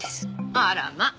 あらまっ！